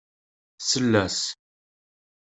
Tsell-as.